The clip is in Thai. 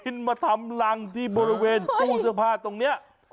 มาทำรังที่บริเวณตู้เสื้อผ้าตรงนี้